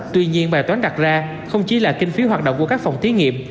tuy nhiên bài toán đặt ra không chỉ là kinh phí hoạt động của các phòng thí nghiệm